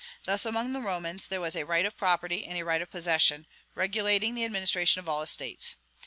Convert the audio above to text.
Thus, among the Romans, there was a RIGHT OF PROPERTY and a RIGHT OF POSSESSION regulating the administration of all estates.